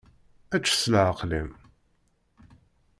Ečč s leɛqel-im.